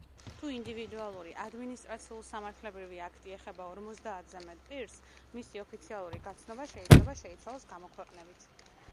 თუ ინდივიდუალური ადმინისტრაციულ-სამართლებრივი აქტი ეხება ორმოცდაათზე მეტ პირს, მისი ოფიციალური გაცნობა შეიძლება შეიცვალოს გამოქვეყნებით.